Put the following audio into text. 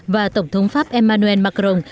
và tổng thống pháp emmanuel macron